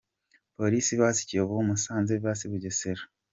Police vs Kiyovu Musanze vs Bugesera.